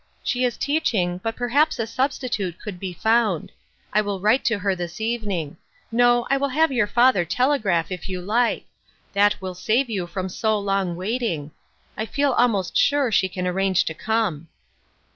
She is teaching, but perhaps a substitute could be found. I will write to her this evening ; no, I will have your father telegraph, if you like ; that will save you from so long waiting ; I feel almost sure she can arrange to come."